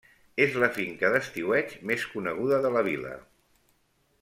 És la finca d'estiueig més coneguda de la vila.